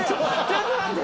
ちょっと待って。